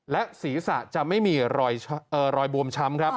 และศีรษะจะไม่มีรอยบวมช้ำครับ